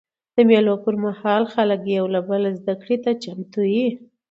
د مېلو پر مهال خلک یو له بله زدهکړې ته چمتو يي.